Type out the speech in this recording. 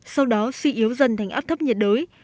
sau đó suy yếu dần thành áp thấp nhiệt đới